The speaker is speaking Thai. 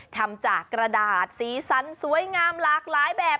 ทำจากกระดาษสีสันสวยงามหลากหลายแบบ